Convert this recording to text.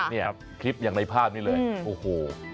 เนี่ยคลิปอย่างในภาพนี้เลยโอ้โห